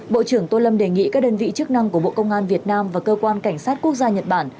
bộ trưởng tô lâm đề nghị các đơn vị chức năng của bộ công an việt nam và cơ quan cảnh sát quốc gia nhật bản